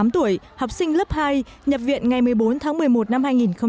tám tuổi học sinh lớp hai nhập viện ngày một mươi bốn tháng một mươi một năm hai nghìn một mươi chín